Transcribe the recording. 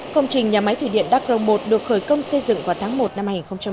công trình nhà máy thủy điện đắk rồng một được khởi công xây dựng vào tháng một năm hai nghìn một mươi